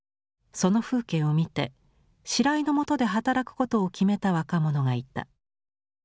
その風景を見て白井のもとで働くことを決めた若者がいた。